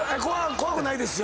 怖くないですよ